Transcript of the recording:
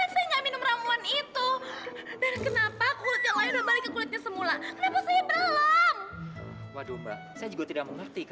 sampai jumpa di video selanjutnya